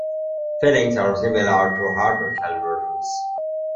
Fillings are similar to hard-shell versions.